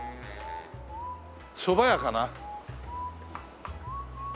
そば屋かな？